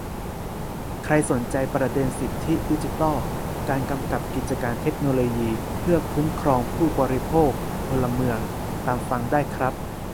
ใครสนใจประเด็นสิทธิดิจิทัล การกำกับกิจการเทคโนโลยีเพื่อคุ้มครองผู้บริโภค-พลเมือง ตามฟังได้ครับ